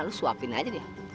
lu suapin aja deh